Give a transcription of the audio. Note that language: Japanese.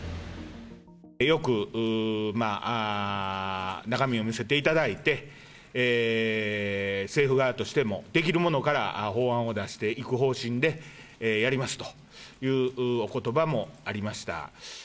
よく中身を見せていただいて、政府側としてもできるものから法案を出していく方針でやりますというおことばもありました。